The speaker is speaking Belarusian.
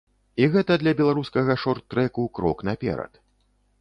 І гэта для беларускага шорт-трэку крок наперад.